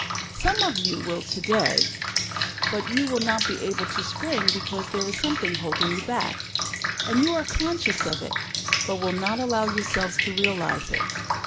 Some of you will today, but you will not be able to spring, because there is something holding you back; and you are conscious of it, but will not allow yourselves to realize it.